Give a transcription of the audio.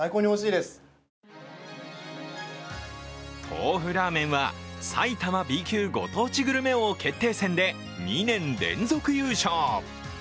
トーフラーメンは埼玉Ｂ級ご当地グルメ王決定戦で２年連続優勝。